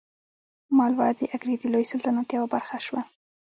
مالوه د اګرې د لوی سلطنت یوه برخه شوه.